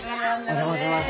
お邪魔します。